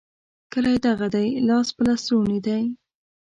کلی دغه دی؛ لاس په لستوڼي دی.